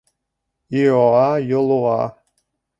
— Иоа-йолуа!